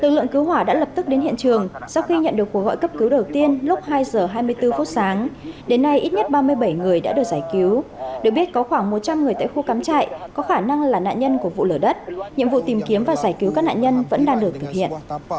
lực lượng cứu hỏa đã lập tức đến hiện trường sau khi nhận được cuộc gọi cấp cứu đầu tiên lúc hai h hai mươi bốn phút sáng đến nay ít nhất ba mươi bảy người đã được giải cứu được biết có khoảng một trăm linh người tại khu cắm trại có khả năng là nạn nhân của vụ lở đất nhiệm vụ tìm kiếm và giải cứu các nạn nhân vẫn đang được thực hiện